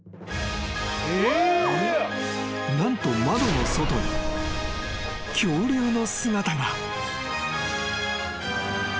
［何と窓の外に恐竜の姿が］